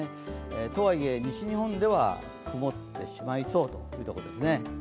とはいえ、西日本では曇ってしまいそうというところです。